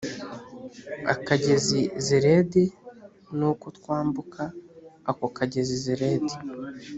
akagezi zeredi nuko twambuka ako kagezi zeredi